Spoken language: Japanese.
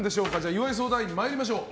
岩井相談員、参りましょう。